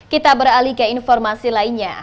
kita beralih ke informasi lainnya